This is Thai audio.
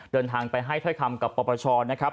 เดินทางไปให้ถ้อยคำกับปปชนะครับ